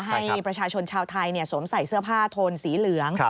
ให้ประชาชนชาวไทยสวมใส่เสื้อผ้าโทนสีเหลือง